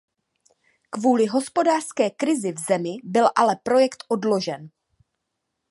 Kvůli hospodářské krizi v zemi byl ale projekt odložen.